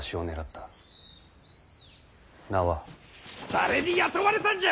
誰に雇われたんじゃ！